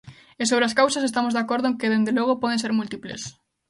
E sobre as causas estamos de acordo en que, dende logo, poden ser múltiples.